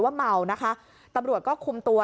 ว่าเมานะคะตำรวจก็คุมตัว